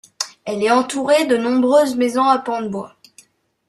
Elle est entourée de nombreuses maisons à pan-de-bois.